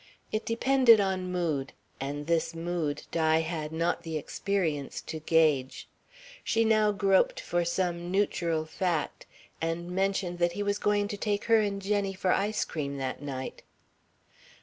It depended on mood, and this mood Di had not the experience to gauge. She now groped for some neutral fact, and mentioned that he was going to take her and Jenny for ice cream that night.